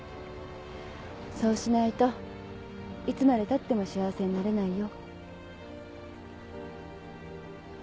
そうしないといつまでたっても幸せになれないよ。